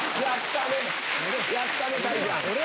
やったね！